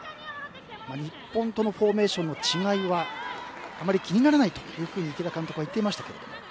日本とのフォーメーションとの違いはあまり気にならないと池田監督は言っていましたが。